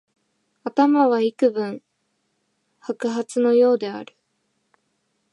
頭はいくぶん白髪のようである